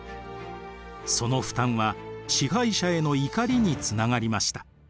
その負担は支配者への怒りにつながりました。